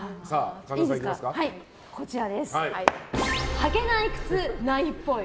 履けない靴、ないっぽい。